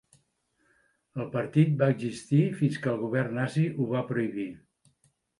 El partit va existir fins que el govern nazi ho va prohibir.